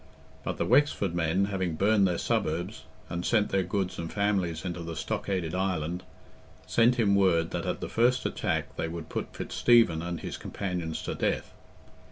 But the Wexford men having burned their suburbs, and sent their goods and families into the stockaded island, sent him word that at the first attack they would put Fitzstephen and his companions to death.